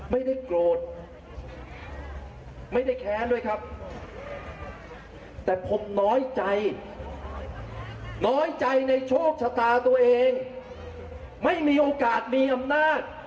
ไม่มีโอกาสมีอำนาจ